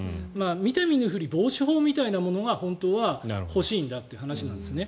見て見ぬふり防止法みたいなのが本当は欲しいんだって話なんですね。